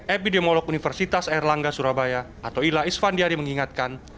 epidemiolog universitas erlangga surabaya atoila isfandiari mengingatkan